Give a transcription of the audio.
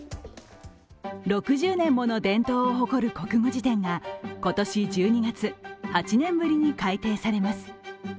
６０年もの伝統を誇る国語辞典が今年１２月８年ぶりに改訂されます。